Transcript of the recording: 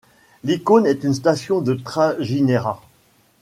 L'icône est une station de trajinera.